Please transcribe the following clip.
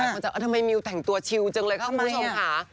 มันจะว่าทำไมมิวแต่งตัวชิลล์จังเลยครับคุณผู้ชมค่ะ